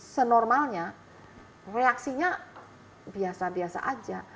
senormalnya reaksinya biasa biasa aja